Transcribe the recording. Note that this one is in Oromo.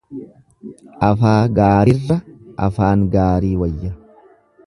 Afaa gaarirra afaan gaarii wayya.